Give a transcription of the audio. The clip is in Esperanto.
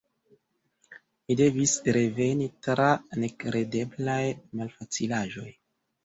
Mi devis reveni, tra nekredeblaj malfacilaĵoj.